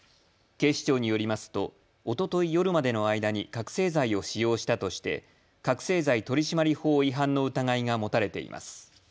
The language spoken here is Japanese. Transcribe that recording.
警視庁によりますとおととい夜までの間に覚醒剤を使用したとして覚醒剤取締法違反の疑いが持たれています。